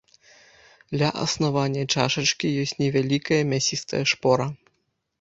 Ля аснавання чашачкі ёсць невялікая мясістая шпора.